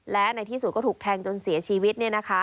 และในที่สุดก็ถูกแทงจนเสียชีวิต